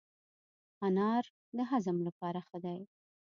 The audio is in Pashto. انار د هضم لپاره ښه دی.